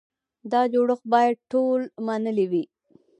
دا جوړښت باید ټول منلی وي.